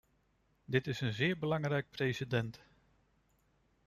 Dit is een zeer belangrijk precedent.